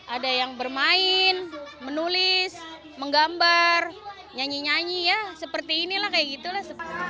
ada yang bermain menulis menggambar nyanyi nyanyi ya seperti inilah kayak gitu lah